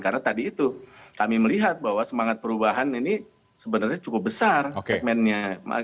karena tadi itu kami melihat bahwa semangat perubahan ini sebenarnya cukup besar segmennya